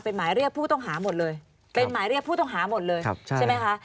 เป็นหมายเรียกผู้ต้องหาหมดเลยเป็นหมายเรียกผู้ต้องหาหมดเลยใช่ไหมคะ